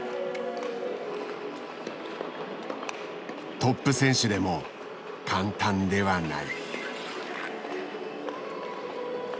トップ選手でも簡単ではない。